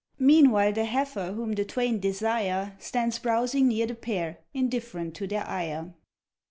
Meanwhile, the heifer, whom the twain desire, Stands browsing near the pair, indifferent to their ire.